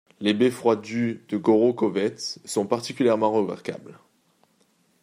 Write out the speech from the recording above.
Les beffrois du de Gorokhovets sont particulièrement remarquables.